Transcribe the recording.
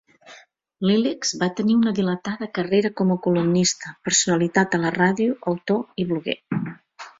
Lileks va tenir una dilatada carrera com a columnista, personalitat a la ràdio, autor i bloguer.